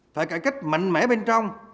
phải cải cách mạnh mẽ bên trong